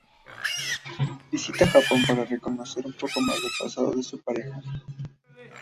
Visita Japón para conocer un poco más del pasado de su pareja.